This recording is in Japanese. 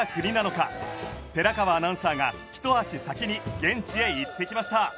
寺川アナウンサーが一足先に現地へ行ってきました。